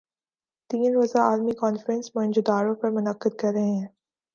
تین روزہ عالمی کانفرنس موئن جو دڑو پر منعقد کررہے ہیں